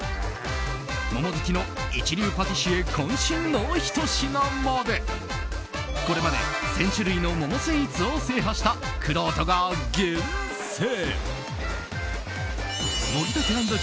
桃好きの一流パティシエ渾身のひと品までこれまで１０００種類の桃スイーツを制覇したくろうとが厳選。